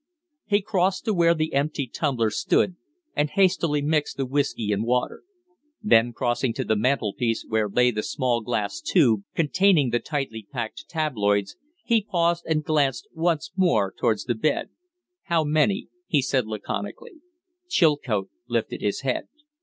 He crossed to where the empty tumbler stood and hastily mixed the whiskey and water; then crossing to the mantel piece where lay the small glass tube containing the tightly packed tabloids, he paused and glanced once more towards the bed. "How many?" he said, laconically. Chilcote lifted his head.